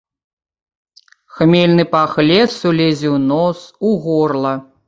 Хмельны пах лесу лезе ў нос, у горла.